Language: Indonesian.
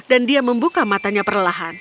dan dia membuka matanya perlahan